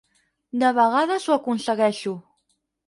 De vegades ho aconsegueixo.